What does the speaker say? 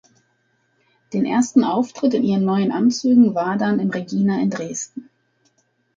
Den ersten Auftritt in ihren neuen Anzügen war dann im „Regina“ in Dresden.